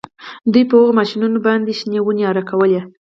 دوی په هغو ماشینونو باندې شنې ونې اره کولې